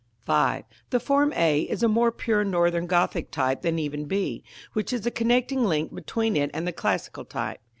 § V. The form a is a more pure Northern Gothic type than even b, which is the connecting link between it and the classical type.